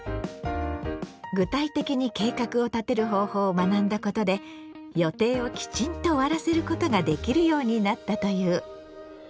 具体的に計画を立てる方法を学んだことで予定をきちんと終わらせることができるようになったという。